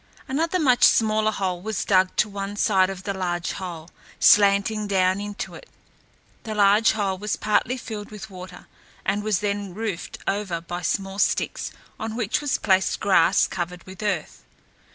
Another much smaller hole was dug to one side of the large hole, slanting down into it. The large hole was partly filled with water, and was then roofed over by small sticks on which was placed grass covered with earth.